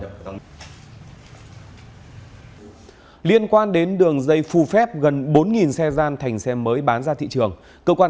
liên quan đến đường dây phù phép gần bốn xe gian thành xe mới bán ra thị trường cơ quan